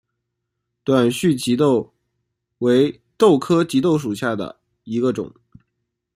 短序棘豆为豆科棘豆属下的一个种。